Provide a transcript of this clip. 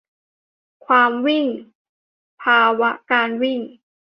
'ความวิ่ง' ภาวะการวิ่ง